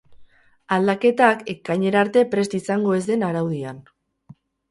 Aldaketak, ekainera arte prest izango ez den araudian.